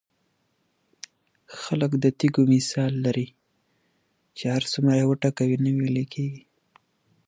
اګوست کنت لومړی ځل دا ویش ترسره کړ.